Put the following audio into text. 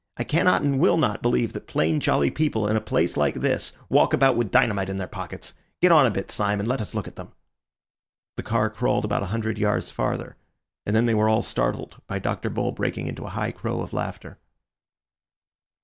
I cannot and will not believe that plain, jolly people in a place like this walk about with dynamite in their pockets. Get on a bit, Syme, and let us look at them." The car crawled about a hundred yards farther, and then they were all startled by Dr. Bull breaking into a high crow of laughter.